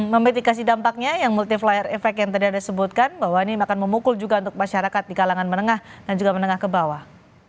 memitikasi dampaknya yang multiplier effect yang tadi anda sebutkan bahwa ini akan memukul juga untuk masyarakat di kalangan menengah dan juga menengah ke bawah